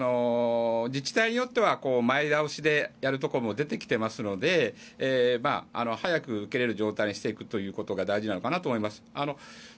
自治体によっては前倒しでやるところも出てきてますので早く受けられる状態にしていくことが大事なのかなと思います。